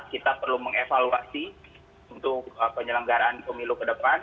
kita perlu mengevaluasi untuk penyelenggaraan pemilu ke depan